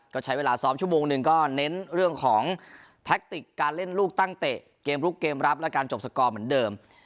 ก็ใช้เวลาซ้อมชั่วโมงหนึ่งก็เน้นเรื่องของแท็กติกการเล่นลูกตั้งเตะเกมลุกเกมรับและการจบสกอร์เหมือนเดิม